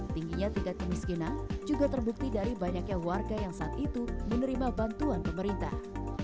tingginya tingkat kemiskinan juga terbukti dari banyaknya warga yang saat itu menerima bantuan pemerintah